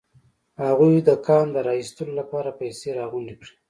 هغوی د کان د را ايستلو لپاره پيسې راغونډې کړې.